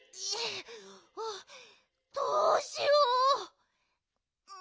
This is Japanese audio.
どうしよう。